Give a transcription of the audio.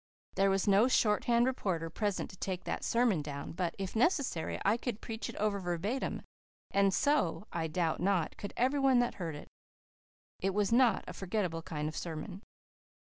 There was no shorthand reporter present to take that sermon down; but, if necessary, I could preach it over verbatim, and so, I doubt not, could everyone that heard it. It was not a forgettable kind of sermon.